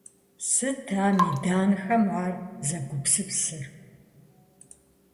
Сыт а меданхэм ар зэгупсысыр?